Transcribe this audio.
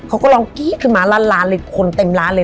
เขาก็ลองกี้ขึ้นมาร้านคนเต็มร้านเลย